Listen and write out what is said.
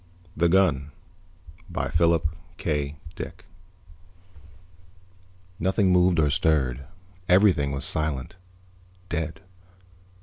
net THE GUN By PHILIP K. DICK _Nothing moved or stirred. Everything was silent, dead.